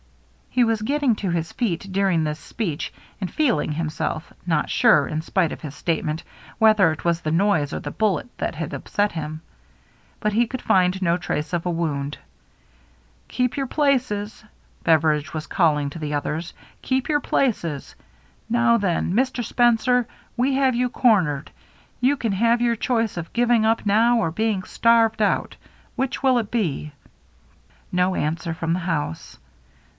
He was getting to his 36o THE MERRY ASNE feet during this speech and feeling himself, not sure, in spite of his statement, whether it was the noise or the bullet that had upset him. But he could find no trace of a wound. " Keep your places !" Beveridge was calling to the others. " Keep your places ! Now then, Mr. Spencer, we have you cornered. You can have your choice of giving up now or being starved out. Which will it be ?" No answer from the house.